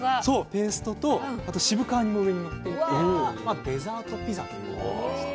ペーストとあと渋皮煮も上にのっていてまあデザートピザというものでして。